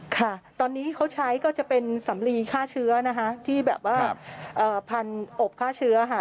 ค่ะตอนนี้ที่เขาใช้ก็จะเป็นสำลีฆ่าเชื้อนะคะที่แบบว่าพันอบฆ่าเชื้อค่ะ